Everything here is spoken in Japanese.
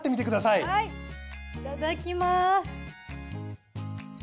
いただきます。